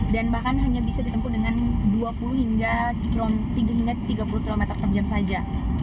dan bahkan hanya bisa ditempu dengan dua puluh hingga tiga puluh km per jam saja